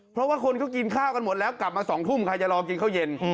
เพราะว่าคนเขากินข้าวกันหมดแล้วกลับมา๒ทุ่มใครจะรอกินข้าวเย็น